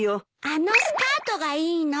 あのスカートがいいの。